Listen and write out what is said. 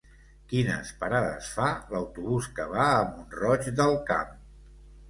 Quines parades fa l'autobús que va a Mont-roig del Camp?